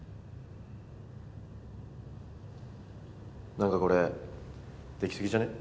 なんかこれ出来すぎじゃね？